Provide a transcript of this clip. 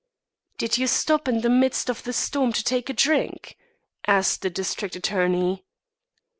"Did you stop in the midst of the storm to take a drink?" asked the district attorney.